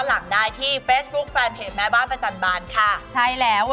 มีคนเดียว